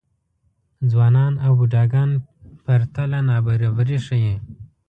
ځوانان او بوډاګان پرتله نابرابري ښيي.